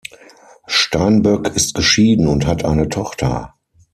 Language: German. Steinböck ist geschieden und hat eine Tochter.